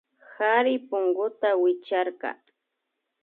Kari punguta wichkarka